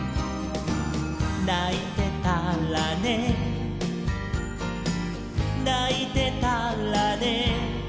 「ないてたらねないてたらね」